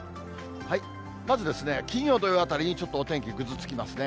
まず金曜、土曜あたりにちょっとお天気、ぐずつきますね。